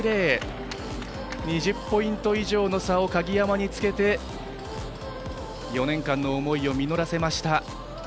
２０ポイント以上の差を鍵山につけて４年間の思いを実らせました。